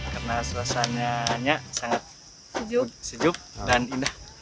karena suasananya sangat sejuk dan indah